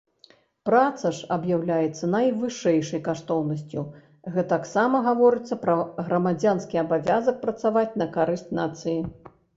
Праца ж аб'яўляецца найвышэйшай каштоўнасцю, гэтаксама гаворыцца пра грамадзянскі абавязак працаваць на карысць нацыі.